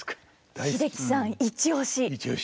英樹さんイチ推し。